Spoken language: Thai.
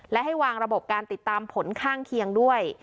และให้วางระบบการติดตามผลข้างเคียงด้วย